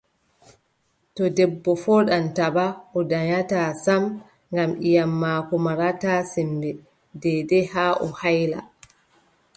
To debbo fooɗan taba, o danyataa sam ngam ƴiiƴam maako marataa semmbe deydey haa o hayla.